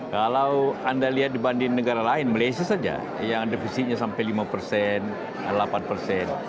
kalau anda lihat dibanding negara lain malaysia saja yang defisitnya sampai lima persen delapan persen